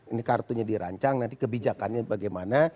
ini kartunya dirancang nanti kebijakannya bagaimana